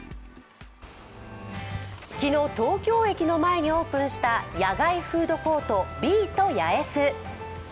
昨日、東京駅の前にオ−プンした野外フードコート、Ｂｅｅａｔ！！八重洲。